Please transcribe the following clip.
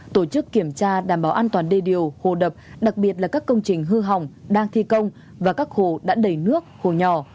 tổ chức kiểm tra đảm bảo an toàn đê điều hồ đập đặc biệt là các công trình hư hỏng đang thi công và các hồ đã đầy nước hồ nhỏ